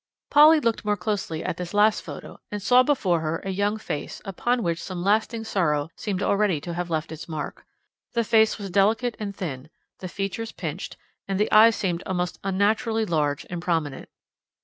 Polly looked more closely at this last photo, and saw before her a young face, upon which some lasting sorrow seemed already to have left its mark. The face was delicate and thin, the features pinched, and the eyes seemed almost unnaturally large and prominent.